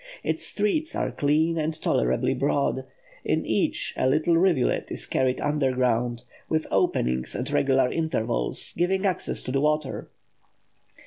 Its streets are clean and tolerably broad; in each a little rivulet is carried underground, with openings at regular intervals giving access to the water.